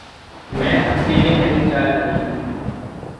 मैं अकेली नहीं जा रही।